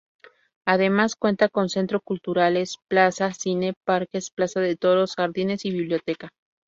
Además cuenta con centro culturales, plaza, cine, parques, plaza de toros, jardines y biblioteca.